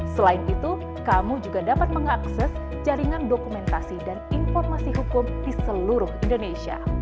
selain itu kamu juga dapat mengakses jaringan dokumentasi dan informasi hukum di seluruh indonesia